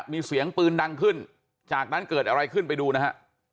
มีเสียงปืนดังขึ้นจากนั้นเกิดอะไรขึ้นไปดูนะฮะ